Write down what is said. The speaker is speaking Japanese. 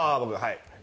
はい。